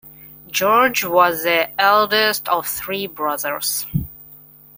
Jorge was the eldest of three brothers.